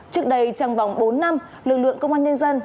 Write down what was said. trước đây trong vòng bốn năm lực lượng công an nhân dân